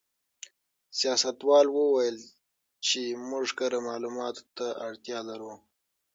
سیاستوال وویل چې موږ کره معلوماتو ته اړتیا لرو.